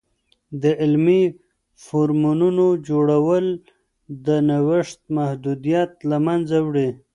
د علمي فورمونو جوړول، د نوښت محدودیت له منځه وړي.